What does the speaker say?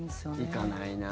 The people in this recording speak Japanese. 行かないな。